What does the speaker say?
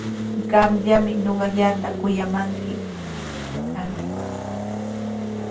Qamllami ñuqallata kuyamaqnii kanki.